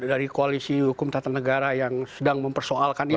ahli hukum tata negara yang sedang mempersoalkan itu